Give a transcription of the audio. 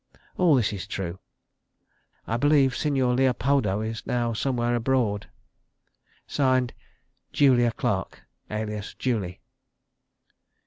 All this is true. I believe Signor Leopoldo is now somewhere abroad. (Signed) "JULIA CLARK, alias JULIE."